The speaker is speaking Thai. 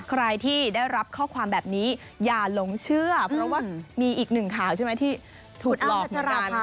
ใครที่ได้รับข้อความแบบนี้อย่าหลงเชื่อเพราะว่ามีอีกหนึ่งข่าวใช่ไหมที่ถูกหลอกเหมือนกัน